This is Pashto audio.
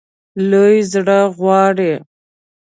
لوی زړه غواړي.